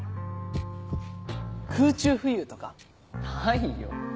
あっ空中浮遊とか？ないよ！